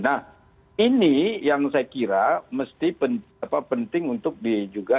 nah ini yang saya kira mesti penting untuk di juga